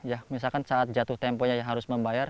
ya misalkan saat jatuh temponya yang harus membayar